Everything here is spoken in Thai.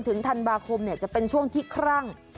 ถึงธันวาคมจะเป็นช่วงที่ครั่ง